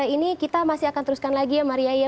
ini kita masih akan teruskan lagi ya maria ya